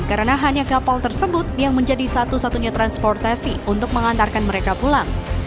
karena hanya kapal tersebut yang menjadi satu satunya transportasi untuk mengantarkan mereka pulang